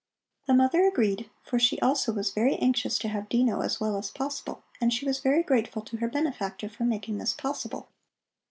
The mother agreed, for she also was very anxious to have Dino as well as possible, and she was very grateful to her benefactor for making this possible.